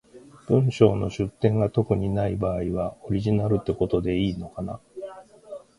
文章の出典が特にない場合は、オリジナルってことでいいのかな？